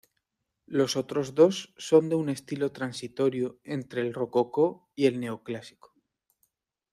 Los otros dos son de un estilo transitorio entre el rococó y el neoclásico.